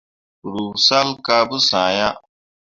Ruu salle kah pu sã ah.